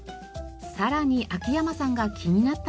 さらに秋山さんが気になったのが。